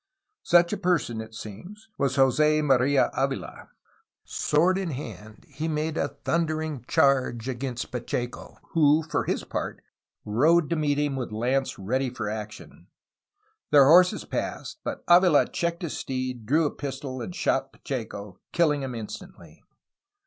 Such a person, it seems, was Jos6 Marfa Avila. Sword in hand, he made a thundering charge against Pa checo, who for his part rode to meet him with lance ready for action. Their horses passed, but Avila checked his steed, drew a pistol, and shot Pacheco, kilhng him instantly.